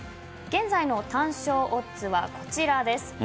現在の単勝オッズはこちらです。